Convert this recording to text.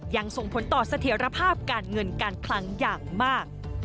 ยังส่งผลต่อเสถียรภาพการเงินการคลังอย่างมาก